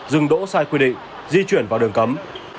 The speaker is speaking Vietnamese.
dừng đỗ sai quy định di chuyển vào đường cấm